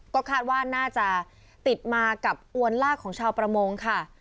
ก็คาดว่าน่าจะติดมากับอวนลากของชาวประมงค่ะ